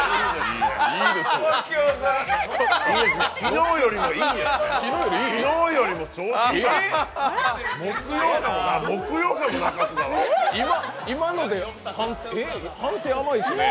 昨日よりもいいですね。